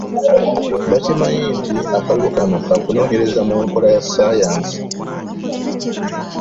Bakimanyi nti akalulu kano kakunoonyezebwa mu nkola ya ssayansi.